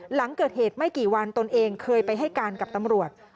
หลังเกิดเหตุไม่กี่วันตนเองเคยไปให้การกับตำรวจ